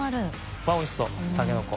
うわっおいしそうタケノコ。